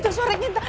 itu suaranya intan